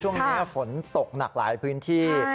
ช่วงนี้ฝนตกหนักหลายพื้นที่